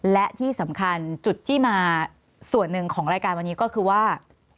และที่สำคัญจุดที่มาส่วนหนึ่งของรายการวันนี้ก็คือว่า